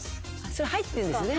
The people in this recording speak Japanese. それ入ってるんですね？